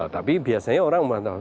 tapi biasanya orang mau tahu